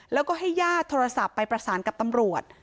แล้วก็ให้ญาติโทรศัพท์ไปประสานกับตำรวจ